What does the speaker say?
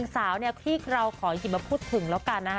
ที่เราขอหยิบมาพูดถึงแล้วกันนะค่ะ